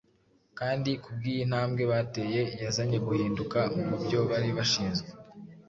kandi kubw’iyi ntambwe bateye, yazanye guhinduka mu byo bari bashinzwe.